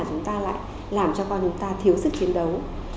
chúng ta lại làm cho con chúng ta thiếu sức chiến đấu